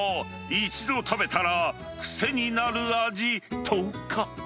一度食べたら癖になる味とか。